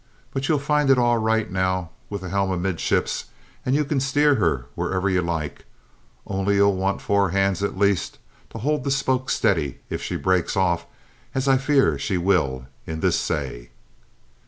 "But you'll find it all right now, with the helm amidships, and you can steer her wheriver you like; only you'll want four hands at least to hauld the spokes steady if she breaks off, as I fear she will, in this say!"